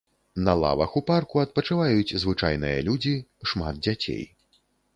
На лавах у парку адпачываюць звычайныя людзі, шмат дзяцей.